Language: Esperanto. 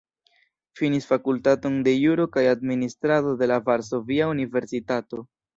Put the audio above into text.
Finis Fakultaton de Juro kaj Administrado de la Varsovia Universitato.